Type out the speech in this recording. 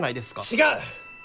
違う！